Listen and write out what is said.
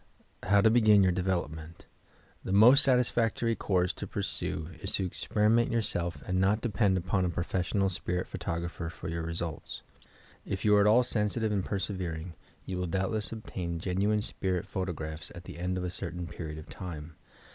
HOVr TO BEGIN YOUB DEVELOPMENT The most satisfactory coiirse to pursue is to experi ment yourself and not depend upon a professional spirit 336 YOUR PSYCHIC POWERS photographer for your results. If you are at all sensi tive and persevering, you will doubtless obtain genuine spirit photographs at the end of a certain period of time.